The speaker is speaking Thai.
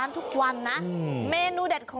ส่วนเมนูที่ว่าคืออะไรติดตามในช่วงตลอดกิน